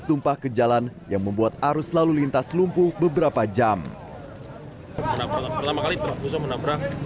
tumpah ke jalan yang membuat arus lalu lintas lumpuh beberapa jam pertama kali terpaksa menabrak